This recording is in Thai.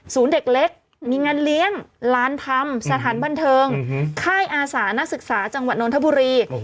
เด็กเล็กมีงานเลี้ยงร้านธรรมสถานบันเทิงค่ายอาสานักศึกษาจังหวัดนทบุรี